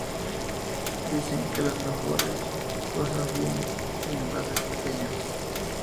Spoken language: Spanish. Dicen que las mejores cosas vienen en envases pequeños.